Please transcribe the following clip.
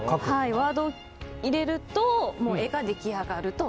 ワードを入れると絵が出来上がると。